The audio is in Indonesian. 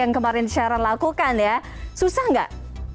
yang kemarin sharon lakukan ya susah nggak